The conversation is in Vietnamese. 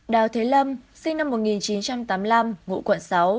đào thế lâm sinh năm một nghìn chín trăm tám mươi năm ngụ quận sáu